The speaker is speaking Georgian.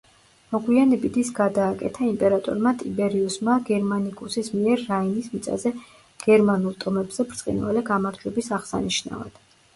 მოგვიანებით ის გადააკეთა იმპერატორმა ტიბერიუსმა გერმანიკუსის მიერ რაინის მიწაზე გერმანულ ტომებზე ბრწყინვალე გამარჯვების აღსანიშნავად.